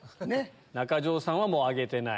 中条さんはもう挙げてない。